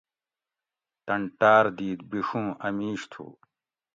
تن ٹاۤر دیت بیڛوں اۤ میش تھو